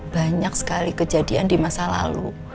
banyak sekali kejadian di masa lalu